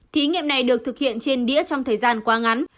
thí nghiệm này được thực hiện trên đĩa trong thời gian quá ngắn